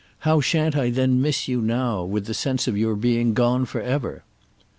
How shan't I then miss you now, with the sense of your being gone forever?"